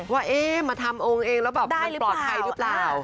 ว่ามาทำองค์เองแล้วแบบมันปลอดภัยหรือเปล่า